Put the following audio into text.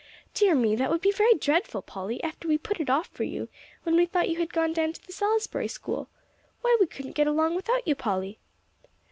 "Dear me! that would be very dreadful, Polly, after we put it off for you, when we thought you had gone down to the Salisbury School. Why, we couldn't get along without you, Polly."